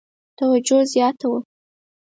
توجه زیاته وه.